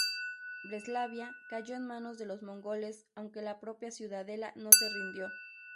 Breslavia cayó en manos de los mongoles, aunque la propia ciudadela no se rindió.